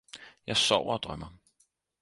Jeg sover og drømmer